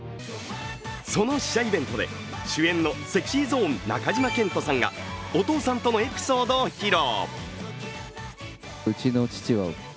その試写イベントで主演のＳｅｘｙＺｏｎｅ、中島健人さんがお父さんとのエピソードを披露。